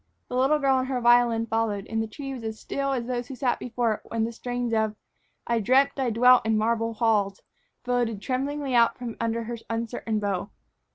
The little girl and her violin followed, and the tree was as still as those who sat before it while the strains of "I Dreamt I Dwelt in Marble Halls" floated tremblingly out from under her uncertain bow.